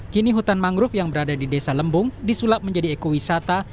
kini hutan mangrove yang berada di desa lembung disulap menjadi ekowisata